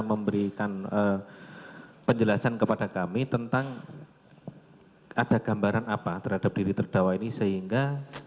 memberikan penjelasan kepada kami tentang ada gambaran apa terhadap diri terdakwa ini sehingga